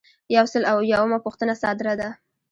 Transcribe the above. یو سل او اویایمه پوښتنه صادره ده.